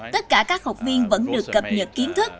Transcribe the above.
tất cả các học viên vẫn được cập nhật kiến thức